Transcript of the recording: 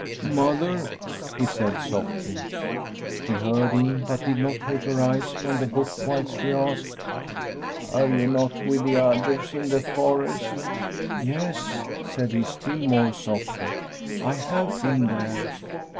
* Mother !' he said softly. She heard him, but did not take her eyes from the book whilst she asked :* Are you not with the others in the forest? '' Yes, said he, still more softly, * I have been there.'